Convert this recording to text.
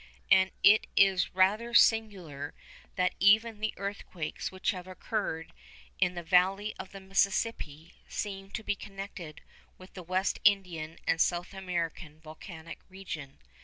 And it is rather singular that even the earthquakes which have occurred in the valley of the Mississippi seem to be connected with the West Indian and South American volcanic region.